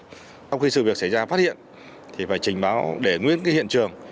nếu chúng ta phát hiện thì phải trình báo để nguyên cái hiện trường